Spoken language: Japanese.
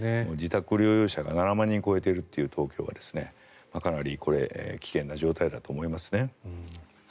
自宅療養者が７万人を超えているという東京はかなりこれ危険な状態だと思いますね。